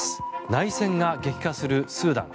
内戦が激化するスーダン。